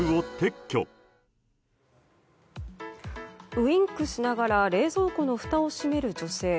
ウインクしながら冷蔵庫のふたを閉める女性。